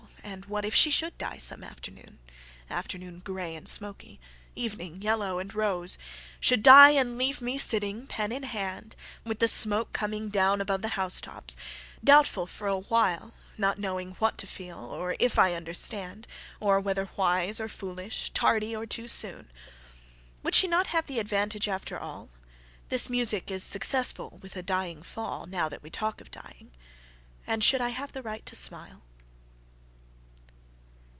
and what if she should die some afternoon, Afternoon grey and smoky, evening yellow and rose; Should die and leave me sitting pen in handWith the smoke coming down above the housetops; Doubtful, for quite a whileNot knowing what to feel or if I understandOr whether wise or foolish, tardy or too soon…Would she not have the advantage, after all? This music is successful with a "dying fall"Now that we talk of dying—And should I have the right to smile?